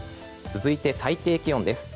続いて最低気温です。